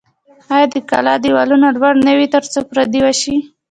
آیا د کلا دیوالونه لوړ نه وي ترڅو پرده وشي؟